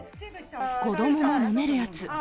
子どもも飲めるやつ。